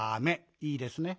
いいですね？